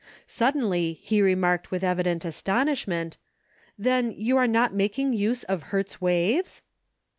Suddenly he re marked with evident astonishment: "Then you are not making use of Hertz waves?"